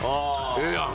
ええやん。